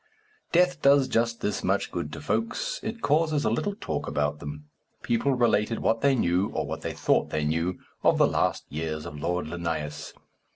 Death does just this much good to folks: it causes a little talk about them. People related what they knew, or what they thought they knew, of the last years of Lord Linnæus.